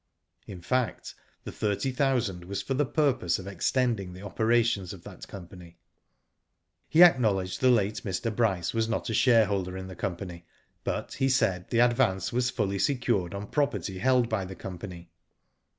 In fact, the thirty thousand was for the purpose of extending the operations of that company. He acknowledged the late Mr. Bryce was not a shareholder in the company, but he said the advance was fully secured on property held by the company.